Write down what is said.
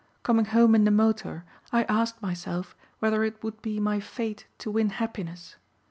Coming home in the motor I asked myself whether it would be my fate to win happiness.